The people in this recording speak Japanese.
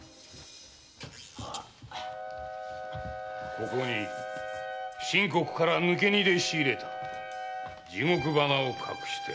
ここに清国から抜け荷で仕入れた地獄花を隠してある。